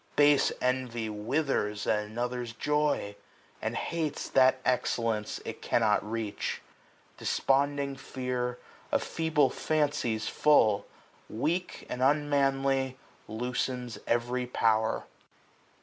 Base envy withers at another's joy. And hates that excellence it cannot reach. Desponding fear, of feeble fancies full, 285 Weak and unmanly, loosens every power.